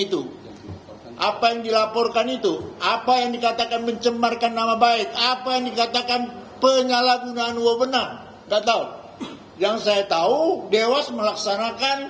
melaksanakan tugas yang dibebankan oleh undang undang